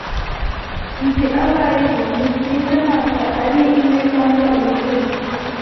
Nzi abo aribo, (nibyiza ntabwo ari inyo cyangwa ibihuru,)